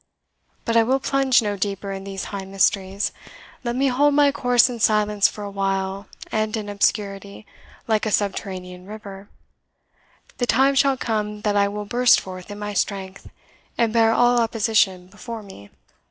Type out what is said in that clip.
But I will plunge no deeper in these high mysteries. Let me hold my course in silence for a while, and in obscurity, like a subterranean river; the time shall come that I will burst forth in my strength, and bear all opposition before me."